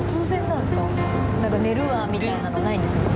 なんか「寝るわ」みたいなのないんですね。